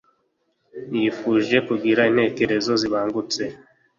yifuje kugira intekerezo zibangutse